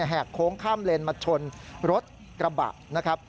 แหกโค้งข้ามเลนมาชนรถกระบะนะครับ